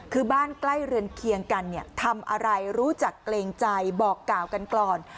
คือบ้านใกล้เรือนเคียงกันเนี่ยทำอะไรรู้จักเกรงใจบอกกล่าวกันก่อน